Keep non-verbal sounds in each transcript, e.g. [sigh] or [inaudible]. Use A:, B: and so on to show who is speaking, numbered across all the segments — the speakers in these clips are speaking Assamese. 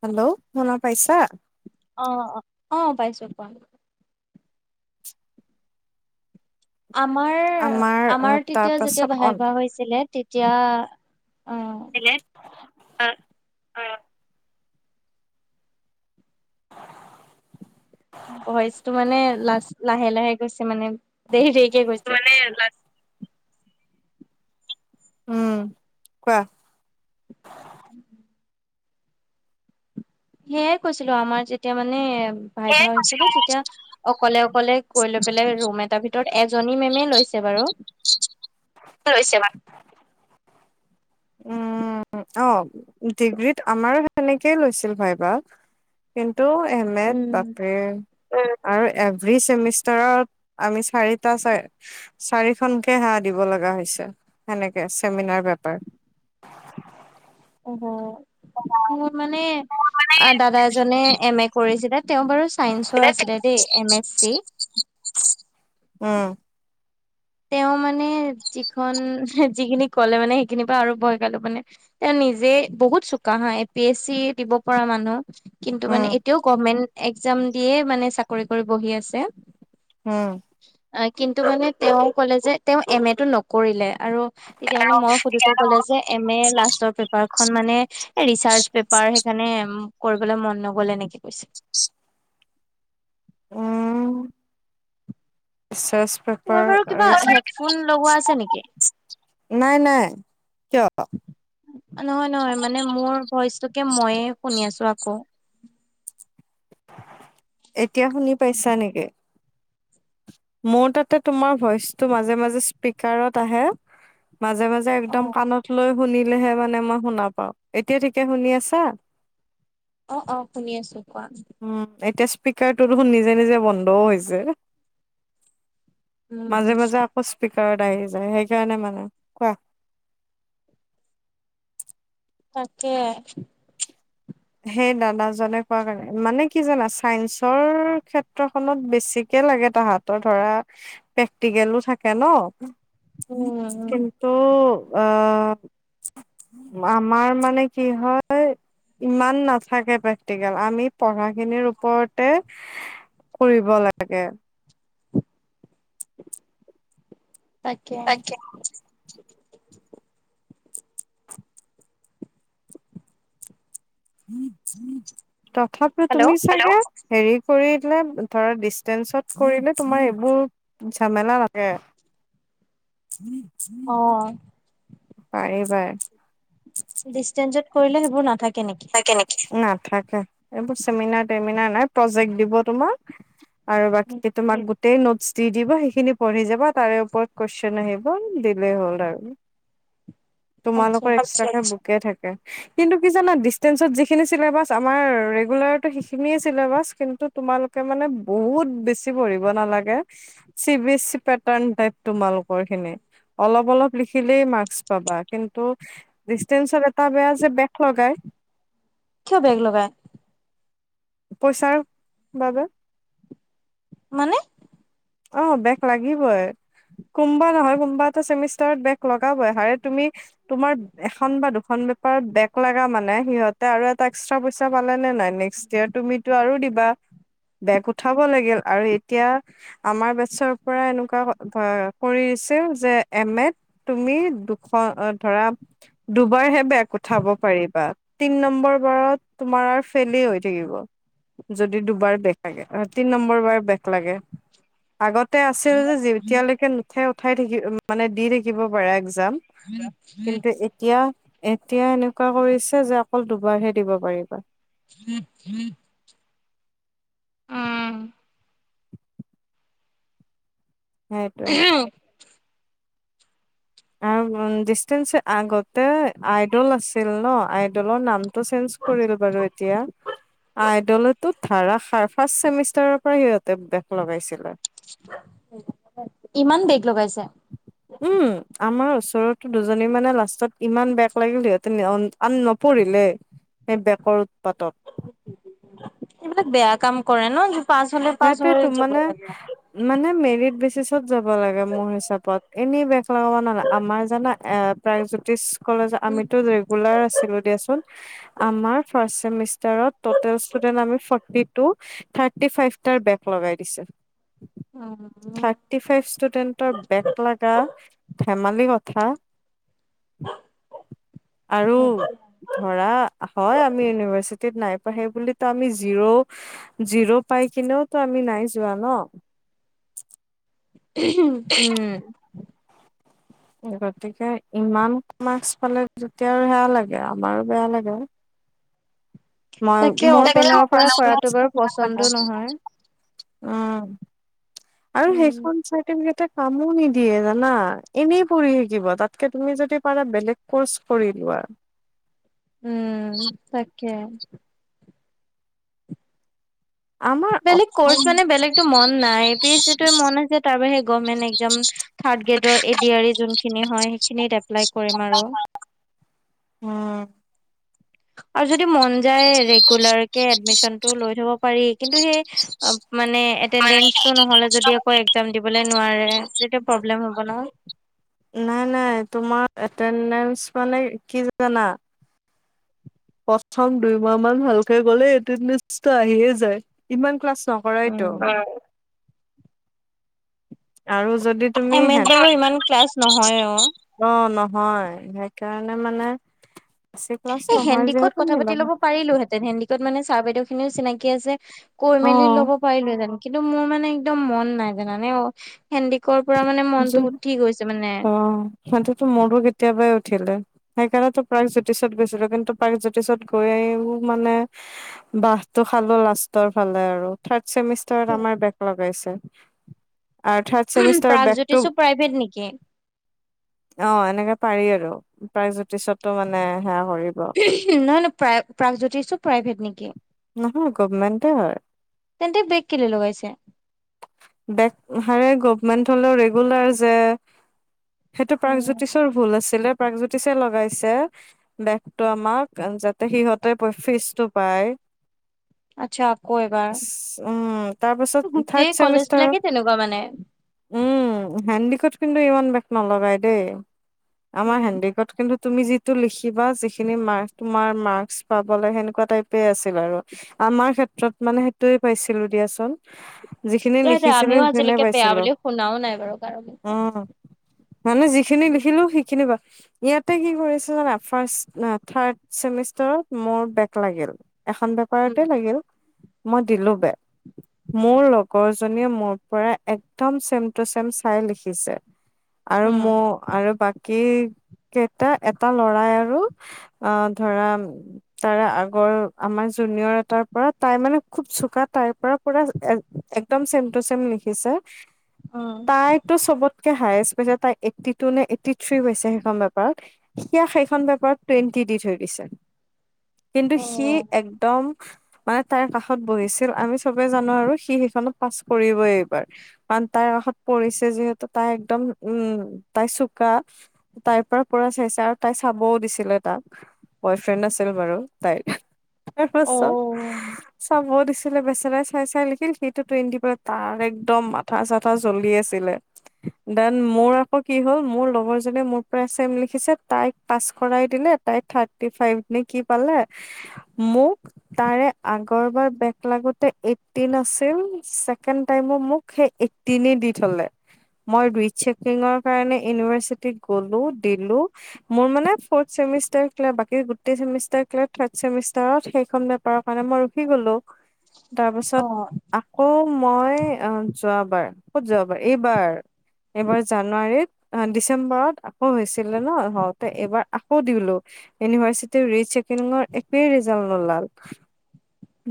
A: হেল্ল' শুনা পাইছা।
B: অ অ অ পাইছো কোৱা আমাৰ আমাৰ
A: তাৰ
B: তেতিয়া যেতিয়া
A: পাছত অন
B: বাহিৰ বোৱা হৈছিলে তেতিয়া অ
A: হে অ অ
B: ভইচটো মানে লা লাহে লাহে গৈছে মানে দেৰি দেৰি কে গৈছে
A: মানে উম কোৱা
B: [inaudible] সেইয়াই কৈছিলো আমাৰ যেতিয়া মানে ভাই ভা হৈছিলে তেতিয়া অকলে অকলে গৈ লৈ পেলাই ৰুম এটা ভিতৰত -ৰত এজনী মেমে লৈছে বাৰু
A: লৈছে [inaudible] উম। অ ডিগ্ৰীত আমাৰ সেনেকেই লৈছিল ভাইভা টো এম, এত বাপৰে আৰু এভৰী চেমিষ্টাৰত আমি চাৰিটা চ চাৰিখনকে দিব লগা হৈছে সেনেকে চেমিনাৰ পেপাৰ
B: হয় মোৰ মানে দাদা এজনে এম এ কৰিছিলে তেওঁ বাৰু চাইন্সৰ আছিলে দেই এম এছ চি
A: উম
B: তেওঁ মানে যিখন যিখিনি কলে মানে সেইখিনিৰ পৰা আৰু ভয় খালো মানে নিজে বহুত চোকা হা এ পি এছ চি দিব পৰা মানুহ কিন্তু
A: উম
B: মানে এতিয়াও গভমেন্ট একজাম দিয়ে মানে চাকৰি কৰি বহি আছে
A: উম।
B: অ কিন্তু মানে তেওঁ কলে যে তেওঁ এম এটো নকৰিলে আৰু তেতিয়া মানে মই সুধোতে ক'লে যে এম এ লাষ্টৰ পেপাৰ খন মানে এ ৰিচাৰ্চ পেপাৰ -ৰ সেইকাৰণে উম কৰিবলৈ মন নগল এনেকে কৈছে
A: [inaudible] উম ৰিচাৰ্চ
B: তোমাৰ
A: পেপাৰ
B: বাৰু কিবা হেডফোন লগোৱা আছে নেকি।
A: নাই নাই কিয়
B: নহয় নহয় মানে মোৰ ভইচ তোকে ময়ে শুনি আছো আকৌ
A: এতিয়া শুনি পাইছা নেকি। মোৰ তাতে তোমাৰ ভইচটো মাজে মাজে স্পিকাৰত আহে। মাজে, মাজে
B: অ
A: একদম কাণত লৈ শুনিলেহে মানে মই শুনা পাও এতিয়া ঠিকে শুনি আছা।
B: অ অ শুনি আছো কোৱা
A: উম, এতিয়া স্পীকাৰটো দেখোন নিজে - নিজে বন্ধও হৈছে।
B: উম
A: মাজে - মাজে আকৌ স্পিকাৰ কাৰ আহি যায় সেইকাৰণে মানে কোৱা?
B: তাকে।
A: সেই দাদাজনে কোৱা কাৰণে মানে কি জানা চাইন্সৰ ক্ষেত্ৰখনত বেছিকে লাগে তাহাঁতৰ ধৰা প্ৰেক্টিকেলো থাকে ন।
B: উম
A: কিন্তু আ আমাৰ মানে কি হয় ইমান নাথাকে প্ৰেক্টিকেল আমি পঢ়াখিনিৰ ওপৰতে কৰিব লাগে
B: তাকে।
A: তথাপিও তুমি চাগে হেৰি [unintelligible] কৰিলে ধৰা ডিচেঞ্চত কৰিলে তোমাৰ এইবোৰ ঝামেলা লাগে।
B: [inaudible]
A: হম
B: অ',
A: পায়-পায়।
B: ডিষ্টেঞ্চত কৰিলে সেইবোৰ নাথাকে নেকি
A: কে নেকি নাথাকে এইবোৰ চেমিনাৰ টেমিনাৰ নাই প্ৰজেক্ট দিব তোমাক? আৰু বাকী তোমাৰ গোটই নোটছ দি দিব সেইখিনি পঢ়ি যাবা তাৰে ওপৰত কুৱেশন আহিব দিলেই হ'ল আৰু।
B: [unintelligible] আচ্ছা
A: তোমালোকৰ
B: আচ্ছা
A: এক্সট্ৰাকে বুকে থাকে কিন্তু কি জানা ডী [unintelligible] টেঞ্চত যিখিনি চিলেবাছ আমাৰ ৰেগুলাৰতো সেইখিনিয়ে চিলেবাছ কিন্তু তোমালোকে মানে বহুত খোব বেছি পঢ়িব নালাগে চি বি এ চি প্ৰেটান ত্ৰাইপ তোমালোকৰ খিনি অলপ অলপ লিখিলেই মাস্ক পাবা কিন্তু ডিষ্টেঞত এটা বেয়া যে বেক লগাই।
B: কিয় বেক লগাই?
A: পইচাৰ বাবে।
B: মানে
A: অ, বেক লাগিবই কোনবা নহয় কোনবা এটা চেমিষ্টাৰত বেক লগাবই হাৰে তুমি তোমাৰ এখন বা দুখন [unintelligible] পেপাৰত বেগ লগা মানে সিহঁতে আৰু এটা এক্সট্ৰা পইচা পালে নে নাই নেক্সট ইয়েৰত তুমিতো আৰু দিবা বেগ উঠাব লাগিল আৰু এতিয়া আমাৰ বেছৰ পৰা এনেকুৱা কৰিছে যে এম এত তুমি দুশ অ অ ধৰা দুবাৰ হে বেক উঠাব পাৰিবা তিন নম্বৰ বাৰত তোমাৰ ফেইলেই হৈ থাকিব যদি দুবাৰ বেগ লাগে তিন নম্বৰ বাৰ বেগ লাগে আগতে আছিল যে যেতিয়ালৈকে নুঠে উঠাই থাকি মানে দি থাকিব পাৰা যাম কিন্তু এতিয়া এতিয়া এনেকুৱা কৰিছে যে অকল দুবাৰহে দিব পাৰিবা
B: [unintelligible]
A: সেইটোৱে ডিচটেন্স আগতে আইডল আছিল ন আইডলৰ নাম টো চেঞ্জ কৰিলো বাৰু এতিয়া আই বিদ্যালয়তো ধাৰাসাৰ ফাৰ্ষ্ট চেমিষ্টাৰৰ পৰা সিহঁতে বেগ
B: ইমান বেগ লগাইছে
A: উম আমাৰ ওচৰতো দুজনী মানে লাষ্টত ইমান বেগ লাগিল সিহঁতে আন নপৰিল সেই বেকৰ উৎপাতত
B: এইবিলাক বেয়া কাম কৰে ন পাছ হলে পাছ হৈ
A: সেইটোৱেতো
B: যাব
A: মানে
B: লাগে
A: মানে মেৰিট বেছি যাব লাগে মোৰ হিচাপত এনেই বেগ লগাব নালে আমাৰ জানা এ প্ৰাগজ্যোতিষ কলেজ
B: উম
A: আমিতো ৰেগুলাৰ আছিলো দিয়াচোন। আমাৰ ফাৰ্ষ্ট চেমিষ্টাৰত টোটেল ষ্টুডেণ্টচ্ আমি ফৰটি টু থাৰ্টি ফাইভ তাৰ বেক লগাই দিছে। থাৰ্টি ফাইভ ষ্টুডেন্টৰ বেক লগা ধেমালি কথ থা আৰু ধৰা হয় আমি ইউনিভাৰ্চিটি টিট নাই পোৱা সেই বুলিতো আমি জিৰ' জিৰ' পাই কিনেওতো আমি নাই যোৱা ন। [inaudible]
B: উম'।
A: গতিকে, ইমান মাৰ্কছ পালে যেতিয়া আৰু সেয়া লাগে আমাৰো বেয়া লাগে আৰু। মই
B: তাকে
A: মোৰ। [unintelligible] অহ'
B: অপেনৰ পৰা কৰাটো বাৰু পচন্দ নহয়
A: আৰু
B: উম
A: সেইখন চাৰ্টিলেটাৰ। কামো নিদিয়ে জানা। এনেই পঢ়ি থাকিব তাতকে তুমি যদি পাৰা বেলেগ কৰ্চ কৰিলোৱা।
B: উম' তাকে।
A: আমাৰ
B: বেলেগ ক'ৰ্চ মানে বেলেগতো মন নাই। এ পি এছ ছিটোৱে মন আছে, তাৰ বাহিৰে গভমেন্ট একজাম। থাৰ্ড গ্ৰেডৰ এ ডি আৰু ই যোনখিনি হয় সেইখিনিত এপ্লাই কৰিম আৰু
A: উম
B: আৰু য যদি মন যায় ৰেগুলাৰকে এডমিছনটো লৈ থব পাৰি কিন্তু সেই মানে এটে -ণ্ডেঞ্চটো নহলে যদি আকৌ একজামটো দিবলৈ নোৱাৰে। তেতিয়া প্ৰব্লেম হ'ব নহয়।
A: নাই নাই তোমাৰ এটেনডেঞ্চ মানে কি জানা প্ৰথম দুইমাহ মান ভালকে গলে এটেণ্ডেঞ্চটো আহিয়ে যায় ইমান ক্লাছ নকৰাইতো।
B: উম।
A: আৰু যদি তুমি
B: এম এত বাৰু ইমান
A: [unintelligible] অহ'
B: ক্লাছ নহয়ও।
A: ন। হয় সেইকাৰণে মানে বেছি ক্লাছ
B: এই
A: নহয়
B: হেণ্ডিকত
A: যিহেতু
B: কথা পাতি
A: মিলাব
B: ল'ব পাৰিলো হেতেন হেন্দিকত মানে চাৰ বাইদেউ খিনিও চিনাকি আছে, কৈ
A: অ
B: মেলি ল'ব পাৰিলোহেঁতেন। কিন্তু মোৰ মানে একদম মন নাই জানানে অ হেন্দিকৰ
A: তো মোৰো কেতিয়াবাই উঠিলে, সেইকাৰণে তো প্ৰাগজ্যোতিষত গৈছিলো কিন্তু প্ৰাগজ্যোতিষত গৈও মানে বাহটো, খালো লাষ্টৰ ফালে আৰু থাৰ্ড। চেমিষ্টাৰত আমাৰ বেক লগাইছে। আৰু থাৰ্ড চেমিষ্টাৰত বেক।
B: কিছু প্ৰাইভেট নেকি?
A: অহ' এনেকে পাৰি আৰু প্ৰাগজ্যোতিষতো মানে। সেয়া কৰিব
B: নহয় নহয় প্ৰাগ প্ৰাগজ্যোতিষো প্ৰাইভেট নেকি?
A: নহয়, গভমেণ্টে হয়।
B: তেন্তে, বেক কেলৈ লগাইছা।
A: বেক হাৰে, গভমেন্ট হ'লেও ৰেগুলাৰ যে। সেইটো,
B: উম,
A: প্ৰাগজ্যোতিশৰ ভুল আছিলে। প্ৰাকজ্যোতিষে লগাইছে বেকটো আমাক যাতে সিহঁত -তে ফিজ টো পায়।
B: আচ্ছা আকৌ এবাৰ
A: [unintelligible] অহ' তাৰপাছত। থাৰ্ড
B: গোটেই কলেজ
A: চেমিষ্টাৰত
B: বিলাকে তেনেকুৱা মানে
A: উম' হেণ্ড ইংলিকত কিন্তু ইমান বেক নলগাই দেই। আমাৰ
B: উম।
A: হেণ্ডিকত কিন্তু তুমি যিটো লিখিবা যিখিনি মাৰ্কছ, তোমাৰ মাৰ্কছ পাব লাগে সেনেকুৱা টাইপে আছিল আৰু। আমাৰ ক্ষেত্ৰত মানে, সেইটোৱে পাইছিলোঁ দিয়াচোন। যিখিনি
B: নহয় দে
A: লিখিছিলো
B: আমিও
A: সেইখিনিয়ে
B: আজিলৈকে বেয়া
A: পাইছিলো।
B: বুলি শুনাও নাই বাৰু কাৰো মুখত।
A: অহ'। মানে যিখিনি লিখিলো সেইখিনি। [unintelligible] ইয়াতে কি কৰিছে জানা, ফাৰ্ষ্ট থাৰ্ড চেমিষ্টাৰত মোৰ বেক লাগিল। এখন
B: উম
A: পেপাৰতে লাগিল। মই দিলো বেক। মোৰ লগৰ জনীয়ে মোৰ পৰা একদম চেম টো চেম চাই লিখিছে। আৰু ম
B: উম
A: আৰু বাকী, কেইটা এটা লৰাই আৰু আ ধৰা তাৰে আগৰ আমাৰ জুনিয়ৰ এটাৰ পৰা তাই মানে খুব চোকা তাইৰ পৰা পুৰা একদম চেম টু চেম লিখিছে।
B: উম
A: তাইতো চবতকে হাইচ তাই এইটি টু নে এইট থ্ৰী হৈছে সেইকণত। তেতিয়া সেইখন পেপাৰত টুৱেণ্টি দি থৈ দিছে। কিন্তু
B: অ
A: সি একদম মানে তাইৰ কাষত বহিছিল আমি চবে জানো আৰু সি সেইখনত পাছ কৰিবই এইবাৰ কাৰণ তাইৰ কাষত পৰিছে যিহেতু তাই একদম, উম তাই চোকা তাইৰ পৰা পোৰা চাইছে আৰু তাই চাবও দিছিলে তাক। বয়ফ্ৰেণ্ড আছিল বাৰু তাইৰ তাৰ
B: অ
A: পাছত চাব দিছিলে বেছি চাই চাই লিখিল কিন্ত টুৱেন্টি পাই তাৰ এক্দম মাথা চাথাা জ্বলি আছিলে, দেন মোৰ আকৌ কি হ'ল মোৰ লগৰ জনে মোৰ পৰা চেম লিখিছে তাইক পাছ কৰাই দিলে লে তাই থাৰতি ফাইব নে কি পালে মোক তাৰে আগৰবাৰ বেক লাগো তে এইটটিন আছিল ছেকেণ্ড টাইমো মোক সেই এইটটিনে দি থ'লে। মই ৰিচেকিংৰ কাৰণে ইউনিভাৰচিটিত গ'লো দিলো মোৰ মানে ৰ্ফথ চে চেমিষ্টাৰ বাকী গোটেই চেমিষ্টাৰ থাৰ্ড চেমিষ্টাৰত সেইখন পেপাৰৰ কাৰণে মই ৰখি গ'লো।
B: [inaudible]
A: তাৰপাছত
B: অ
A: আকৌ মই অ যোৱাবাৰ, ক'ত যোৱাবাৰ এইবাৰ। এইবাৰ জানুৱাৰীত ডিচেম্বৰত আকৌ হৈছিলে ন হওঁতে এইবাৰ আকৌ দিলো ইউনিভাৰ্চিটিৰ ৰি চেকিঙৰ একোই ৰিজাল্ট নোওলাল।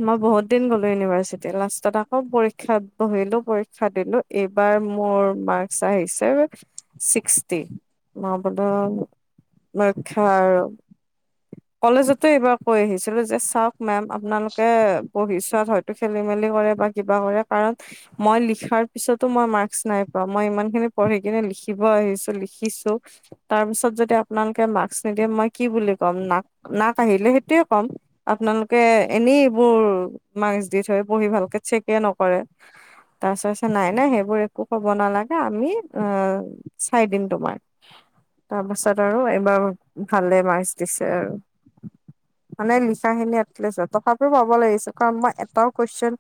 A: মই বহুত দিন গ'লো ইউনিভাৰ্চিটি লাষ্টত আকৌ পৰীক্ষাত বহিলো পৰীক্ষা দিলো এইবাৰ এইবাৰ মোৰ মাক্সছ আহিছে চিষ্টি, মই বোলো ৰক্ষা আৰু কলেজতে এইবাৰ কৈ আহিছিলো যে চাওক মেম আপালোকে তেওঁলোকে বহী চোৱাত হয়তো খেলি মেলি কৰে বা কিবা কৰে কাৰণ মই লিখাৰ পিছতো মই মাক্স নাই পোৱা মই ইমান খিনি পঢ়ি কেনে লিখিব আহিছো লিখিছো তাৰপাছত যদি আপো লেকে মাস্ক নিদিয়ে মই কি বুলি কম নাক নাক আহিলে সেইটোয়ে কম আপোনালোকে এনেইবোৰ মাস্ক দি থয়, বহী ভালকে চেকে নকৰে। তাছ হৈছে নাই, এনেই সেইবোৰ একো ক'ব নালাগে আমি অ চাই দিম তোমাক। তাৰপাছত আৰু এইবাৰ ভালে মাস্ক দিছে আৰু। মানে লিচাাহিন এট্ চ তথাপিও পাব লাগিছিল কাৰণ মই এটাও কুৱেশন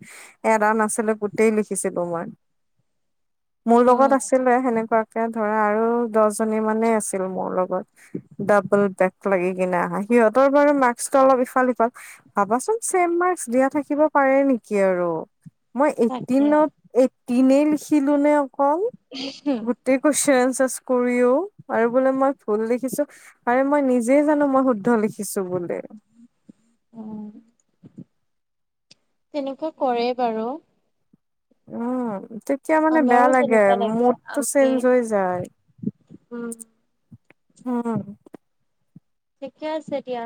A: এৰা নাছিলো গোটই লিখিছিলো মই।
B: [inaudible]
A: মোৰ লগত
B: উম,
A: আছিলে সেনেকুৱাকে ধৰা আৰু দহ জনী মানেই আছিল মোৰ লগত। ডাবুল বেক লাগি কিনে আহা সিহঁতৰ ব মাস্কটো অলপ ইফাল সিফাল। ভাবাচোন ছেম মাৰ্কচ দিয়া থাকিব পাৰে নেকি আৰু। মই
B: তাকে
A: এইটিনত, এইটিনে লিখিলো নে অকল। গুটেই কোৱেস, কৰিও আৰু বোলে মই ভুল দেখিছো আৰে মই নিজে জানো মই শুদ্ধ লিখিছো বোলে।
B: অ, তেনেকুৱা কৰেই বাৰু,
A: উম তেতিয়া মানে বেয়া
B: আমাৰো
A: লাগে
B: তেনেকুৱা
A: মুডটো
B: আমি
A: চেঞ্জ হৈ যায়।
B: উম।
A: উম।
B: থিকে আছে দিয়া।